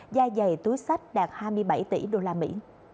da dày túi sách đạt hai mươi bảy tỷ đô la mỹ